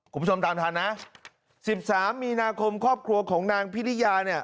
คุณผู้ชมตามทันนะ๑๓มีนาคมครอบครัวของนางพิริยาเนี่ย